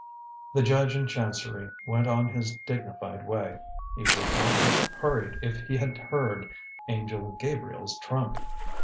The judge in chancery went on his dignified way. He would not have hurried if he had heard Angel Gabriel's trump.